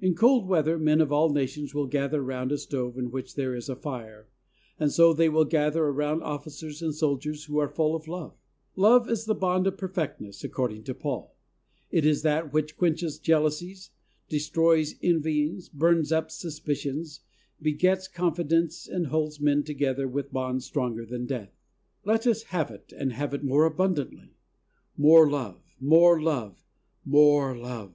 In cold weather men of all nations will gather around a stove in which there is a fire, and so they will gather around officers and soldiers who are full of love. Love is "the bond of perfectness," according to Paul. It is that which quenches jealousies, destroys envyings, bums up suspicions, begets confi dence and holds men together with bonds stronger than death. Let us have it and have it more abundantly. More love, more love, more love